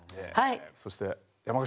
そして山口さん